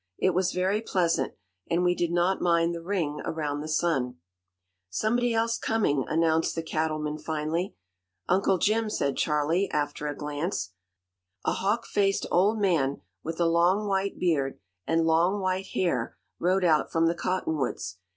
It was very pleasant, and we did not mind the ring around the sun. "Somebody else coming," announced the Cattleman finally. "Uncle Jim," said Charley, after a glance. A hawk faced old man with a long white beard and long white hair rode out from the cottonwoods.